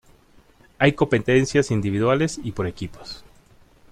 Hay competencias individuales y por equipos.